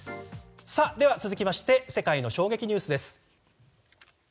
続きまして世界の衝撃ニュースです。